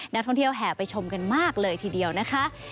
นักท่องเที่ยวแห่ไปชมกันมากเลยทีเดียวนะคะ